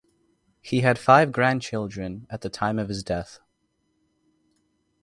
He had five grandchildren at the time of his death.